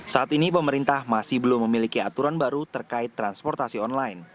saat ini pemerintah masih belum memiliki aturan baru terkait transportasi online